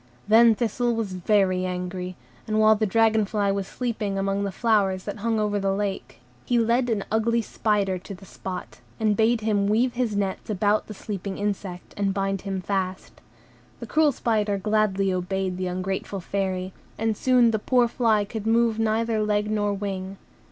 Then Thistle was very angry, and while the dragon fly was sleeping among the flowers that hung over the lake, he led an ugly spider to the spot, and bade him weave his nets about the sleeping insect, and bind him fast. The cruel spider gladly obeyed the ungrateful Fairy; and soon the poor fly could move neither leg nor wing.